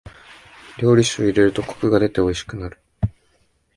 料理酒を入れるとコクが出ておいしくなる。